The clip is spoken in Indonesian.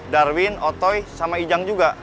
darwin otoy sama ijang juga